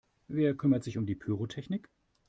Wer kümmert sich um die Pyrotechnik?